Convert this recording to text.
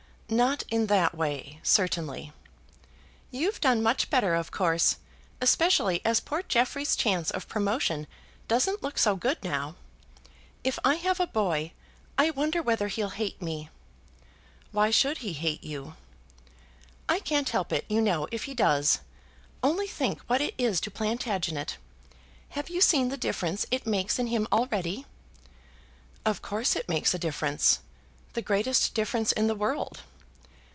"Not in that way, certainly." "You've done much better, of course; especially as poor Jeffrey's chance of promotion doesn't look so good now. If I have a boy, I wonder whether he'll hate me?" "Why should he hate you?" "I can't help it, you know, if he does. Only think what it is to Plantagenet. Have you seen the difference it makes in him already?" "Of course it makes a difference; the greatest difference in the world."